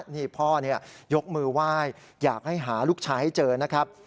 นี่พ่อยกมือไหว้อยากให้หาลูกชายให้เจอนะครับ